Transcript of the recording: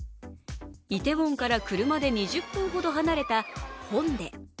イテウォンから車で２０分ほど離れたホンデ。